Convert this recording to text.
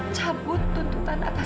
cabut tuntutan atas edo